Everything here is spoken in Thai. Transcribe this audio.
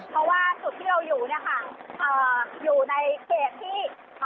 เพราะว่าสุดที่เราอยู่อยู่ในเกตที่ปลอดภัย